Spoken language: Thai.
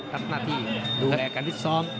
รับหน้าที่ดูแรกการติดสอบ